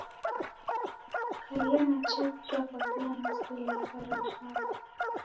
Kaia na chaw'ucha kwa kila misele ya charo chako.